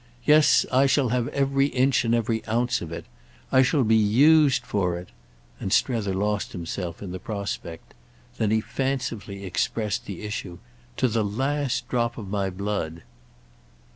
Yes, I shall have every inch and every ounce of it. I shall be used for it—!" And Strether lost himself in the prospect. Then he fancifully expressed the issue. "To the last drop of my blood."